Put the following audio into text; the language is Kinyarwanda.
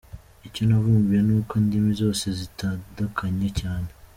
Icyo navumbuye ni uko indimi zose zidatandukanye cyane.